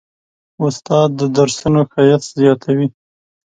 استاد د درسونو ښایست زیاتوي.